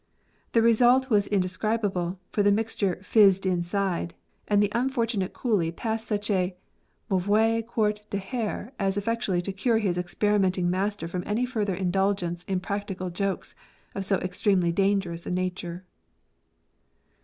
The result was indescribable, for the mixture fizzed inside^ and the unfortunate coolie passed such a mauvais quart d'heiire as effectually to cure his experimenting master from any further indulgence in practical jokes of so extremely dangerous a nature.